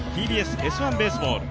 ＴＢＳ「Ｓ☆１ベースボール」